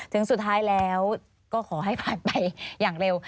ถึงสุดท้ายแล้วก็ขอให้ผ่านไปอย่างเร็ว